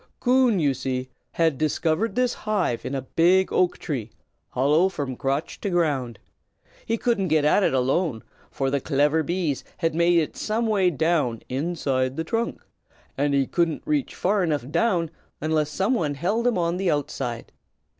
Coon, you see, had discovered this hive in a big oak tree, hollow from crotch to ground. He couldn't get at it alone, for the clever bees had made it some way down inside the trunk, and he couldn't reach far enough down unless some one held him on the outside.